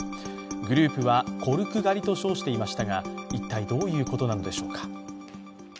グループはコルク狩りと称していましたが、一体どういうことなのでしょうか。